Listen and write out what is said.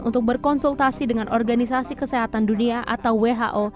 untuk berkonsultasi dengan organisasi kesehatan dunia atau who